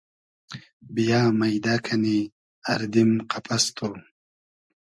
بییۂ مݷدۂ کئنی اردیم قئپئس تو